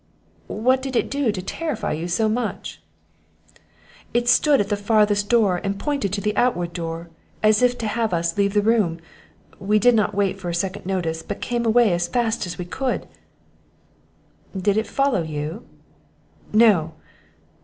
"What did it do to terrify you so much?" "It stood at the farthest door, and pointed to the outward door, as if to have us leave the room; we did not wait for a second notice, but came away as fast as we could." "Did it follow you?" "No."